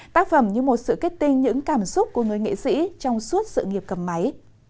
tác phẩm như một sự kết tinh những cảm xúc của người nghệ sĩ trong suốt sự nghiệp cầm máy